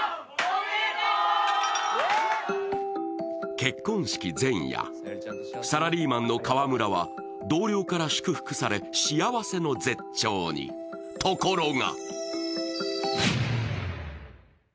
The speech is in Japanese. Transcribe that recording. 結婚式前夜、サラリーマンの川村は同僚から祝福され、幸せの絶頂に、ところが。